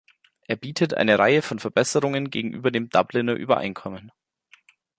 Er bietet eine Reihe von Verbesserungen gegenüber dem Dubliner Übereinkommen.